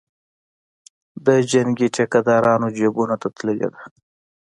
د جنګي ټیکدارانو جیبونو ته تللې ده.